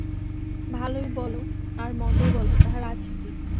ভালোই বল আর মন্দই বল, তাহার আছে কী।